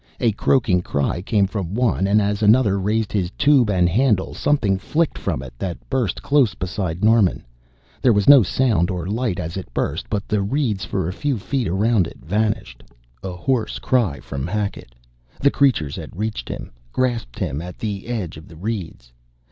A croaking cry came from one and as another raised his tube and handle, something flicked from it that burst close beside Norman. There was no sound or light as it burst, but the reeds for a few feet around it vanished! A hoarse cry from Hackett the creatures had reached him, grasped him at the edge of the reeds!